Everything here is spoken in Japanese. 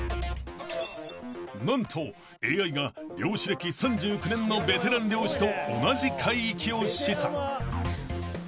［何とＡＩが漁師歴３９年のベテラン漁師と同じ海域を示唆］